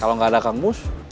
kalau nggak ada kang mus